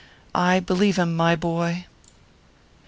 I believe him, my boy !